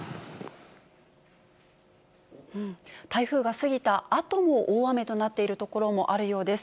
台風が過ぎたあとも大雨となっている所もあるようです。